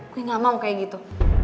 gue gak mau kayak gitu